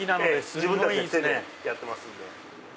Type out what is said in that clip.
自分たちで手でやってますので。